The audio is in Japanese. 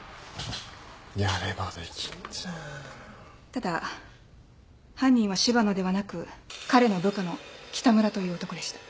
ただ犯人は柴野ではなく彼の部下の北村という男でした。